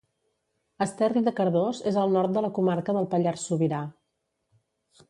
Esterri de Cardós és al nord de la comarca del Pallars Sobirà.